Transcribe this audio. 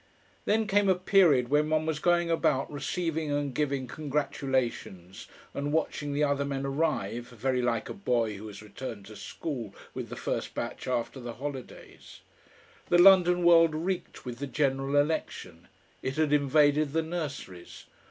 Then came a period when one was going about receiving and giving congratulations and watching the other men arrive, very like a boy who has returned to school with the first batch after the holidays. The London world reeked with the General Election; it had invaded the nurseries.